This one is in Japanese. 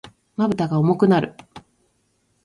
瞼が重くなる。